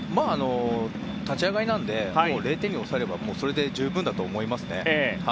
立ち上がりなので０点に抑えればそれで十分だと思います。